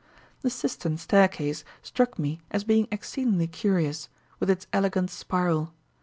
The cistern staircase struck me as being exceedingly curious, with its elegant spiral.